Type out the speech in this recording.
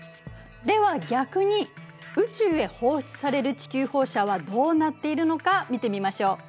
では逆に宇宙へ放出される地球放射はどうなっているのか見てみましょう。